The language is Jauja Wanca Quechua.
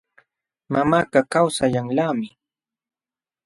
Mamakaq kawsayanlaqmi.